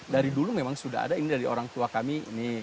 dari dulu memang sudah ada ini dari orang tua kami ini